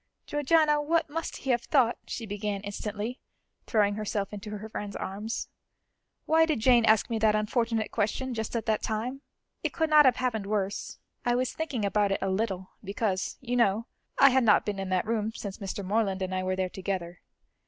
"Georgiana, what must he have thought?" she began instantly, throwing herself into her friend's arms. "Why did Jane ask me that unfortunate question, just at that time? It could not have happened worse. I was thinking about it a little, because, you know, I had not been in that room since Mr. Morland and I were there together.